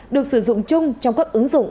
được sử dụng chung trong các ứng dụng